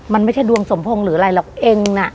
มันไม่ใช่ดวงสมพงษ์หรืออะไรหรอกเองน่ะ